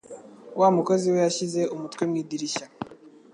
Wa mukozi we yashyize umutwe mu idirishya.